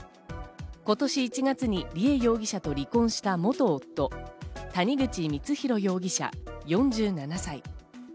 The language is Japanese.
今年１月に梨恵容疑者と離婚した元夫、谷口光弘容疑者、４７歳。